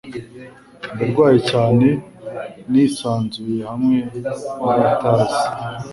Ndarwaye cyane nisanzuye hamwe nabatazi.